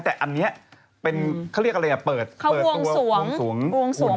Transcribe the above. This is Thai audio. แต่อันนี้เป็นเขาเรียกอะไรเปิดตัววงส่วงหุ่น